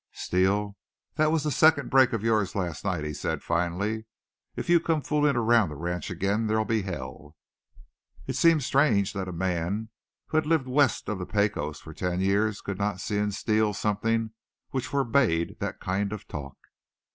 "Steele, that was the second break of yours last night," he said finally. "If you come fooling round the ranch again there'll be hell!" It seemed strange that a man who had lived west of the Pecos for ten years could not see in Steele something which forbade that kind of talk.